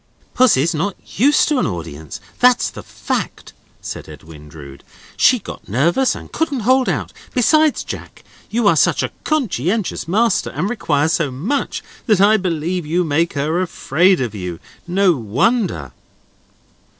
"Pussy's not used to an audience; that's the fact," said Edwin Drood. "She got nervous, and couldn't hold out. Besides, Jack, you are such a conscientious master, and require so much, that I believe you make her afraid of you. No wonder."